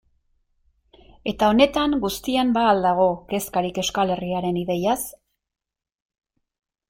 Eta honetan guztian ba al dago kezkarik Euskal Herriaren ideiaz?